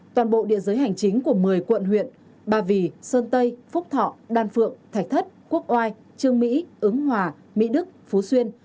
toàn bộ địa giới hành chính của một mươi quận huyện ba vì sơn tây phúc thọ đan phượng thạch thất quốc oai trương mỹ ứng hòa mỹ đức phú xuyên